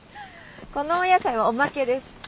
このお野菜はおまけです。